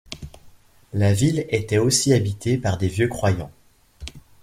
La ville était aussi habitée par des vieux-croyants.